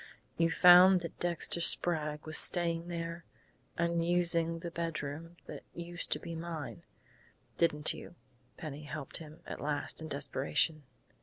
"You found that Dexter Sprague was staying there, was using the bedroom that used to be mine didn't you?" Penny helped him at last, in desperation.